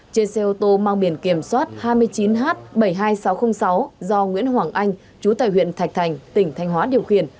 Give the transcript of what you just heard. trên xe ô tô mang biển kiểm soát hai mươi chín h bảy mươi hai nghìn sáu trăm linh sáu do nguyễn hoàng anh chú tài huyện thạch thành tỉnh thanh hóa điều khiển